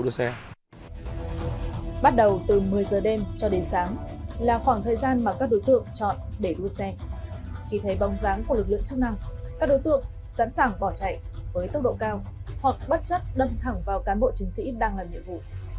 hoặc bắt chất đâm thẳng vào cán bộ chiến sĩ đang làm nhiệm vụ